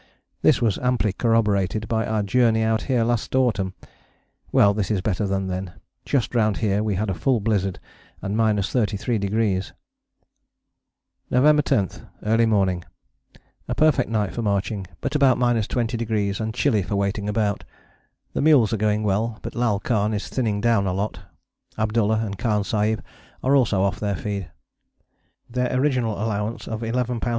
This was amply corroborated by our journey out here last autumn. Well, this is better than then just round here we had a full blizzard and 33°. November 10. Early morning. A perfect night for marching, but about 20° and chilly for waiting about. The mules are going well, but Lal Khan is thinning down a lot: Abdullah and Khan Sahib are also off their feed. Their original allowance of 11 lbs.